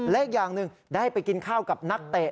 และอีกอย่างหนึ่งได้ไปกินข้าวกับนักเตะ